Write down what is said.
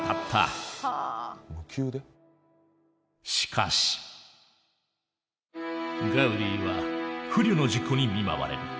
しかしガウディは不慮の事故に見舞われる。